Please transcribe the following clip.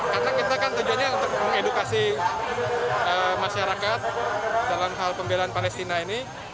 karena kita kan tujuannya untuk mengedukasi masyarakat dalam hal pembelian palestina ini